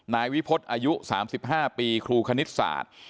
นายวิพฤษอายุ๓๕ปีครูคณิตศาสตร์